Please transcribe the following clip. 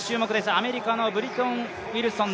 アメリカのブリトン・ウィルソン。